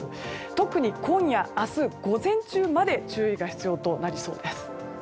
特に今夜、明日午前中まで注意が必要となりそうです。